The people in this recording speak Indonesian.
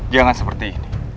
jangan seperti ini